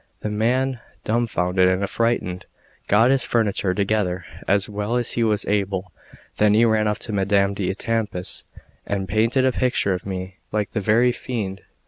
The man, dumbfounded and affrighted, got his furniture together as well as he was able; then he ran off to Madame d'Etampes, and painted a picture of me like the very fiend.